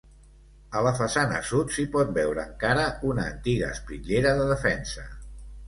A la façana sud s'hi pot veure encara una antiga espitllera de defensa.